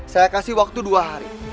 saya kasih waktu dua hari